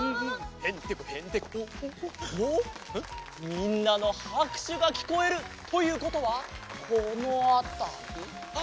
みんなのはくしゅがきこえる。ということはこのあたり。